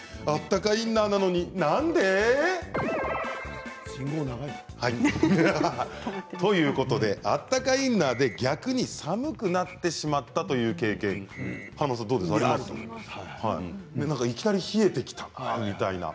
あったかインナーなのになんで？ということであったかインナーで逆に寒くなってしまったという経験濱田さんありますか？